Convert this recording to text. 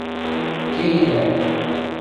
Ке йӹлерӓк.